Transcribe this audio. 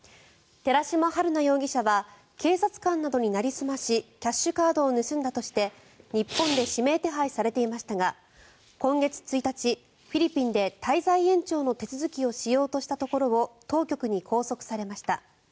寺島春奈容疑者は警察官などになりすましキャッシュカードを盗んだとして日本で指名手配されていましたが今月１日、フィリピンで滞在延長の手続きをしようとしたところを当局に拘束されました。